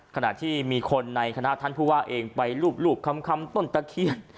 ขณะที่มีคนในคณะท่านผู้ว่าเองไปรูปคำต้นตะเคียน